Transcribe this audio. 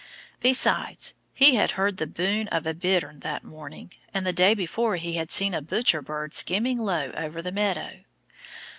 Besides, he had heard the boom of a bittern that morning. And the day before he had seen a butcher bird skimming low over the meadow.